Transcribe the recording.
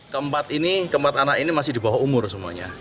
keempat ini keempat anak ini masih di bawah umur semuanya